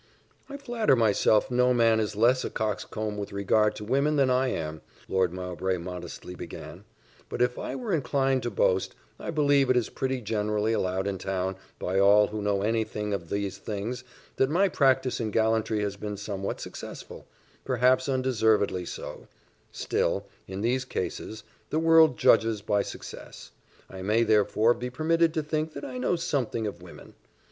"I flatter myself, no man is less a coxcomb with regard to women than I am," Lord Mowbray modestly began; "but if I were inclined to boast, I believe it is pretty generally allowed in town, by all who know any thing of these things, that my practice in gallantry has been somewhat successful perhaps undeservedly so; still, in these cases, the world judges by success: I may, therefore, be permitted to think that I know something of women.